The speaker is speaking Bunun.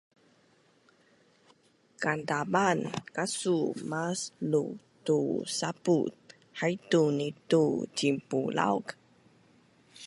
Kandapan kasu mas luu tu sapuz, haitu nitu cinbulauk